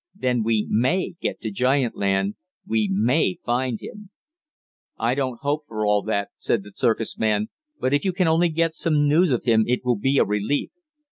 Then we MAY get to giant land, we MAY find him." "I don't hope for all that," said the circus man, "but if you can only get some news of him it will be a relief.